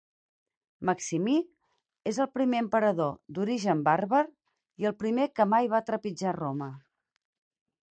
Maximí és el primer emperador d'origen bàrbar i el primer que mai va trepitjar Roma.